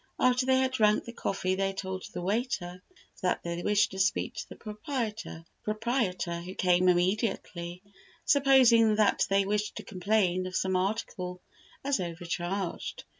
After they had drank the coffee they told the waiter that they wished to speak to the proprietor, who came immediately, supposing that they wished to complain of some article as overcharged.